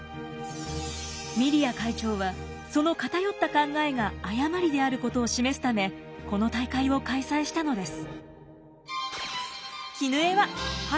ミリア会長はその偏った考えが誤りであることを示すためこの大会を開催したのです。